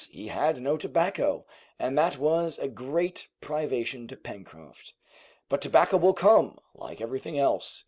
he had no tobacco, and that was a great privation to Pencroft. "But tobacco will come, like everything else!"